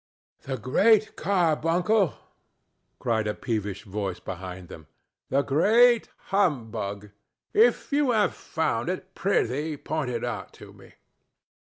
"'The Great Carbuncle'!" cried a peevish voice behind them. "The great humbug! If you have found it, prithee point it out to me."